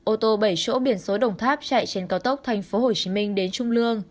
ô tô bảy chỗ biển số đồng tháp chạy trên cao tốc tp hcm đến trung lương